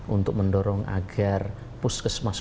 untuk mendorong agar puskesmas